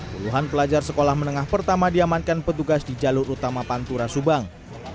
puluhan pelajar sekolah menengah pertama diamankan petugas di jalur utama pantura subang